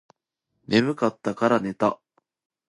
眠かったらから寝た